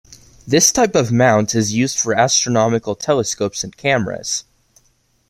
This type of mount is used for astronomical telescopes and cameras.